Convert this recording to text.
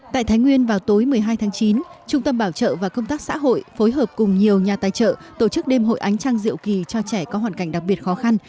tại thái nguyên vào tối một mươi hai tháng chín trung tâm bảo trợ và công tác xã hội phối hợp cùng nhiều nhà tài trợ tổ chức đêm hội ánh trăng rượu kỳ cho trẻ có hoàn cảnh đặc biệt khó khăn